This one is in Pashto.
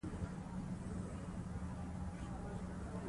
د دروغو منونکي په څېړونکو ټاپې وهي.